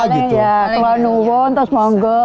ya kelanuwon terus monggo